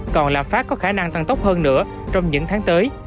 còn lạm phát có khả năng tăng tốc hơn nữa trong những tháng tới